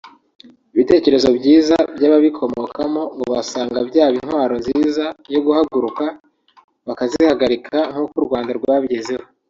ibitekerezo byiza by’ababikomokamo ngo basanga byaba intwaro nziza yo guhaguruka bakazihagarika nkuko u Rwanda rwabigezeho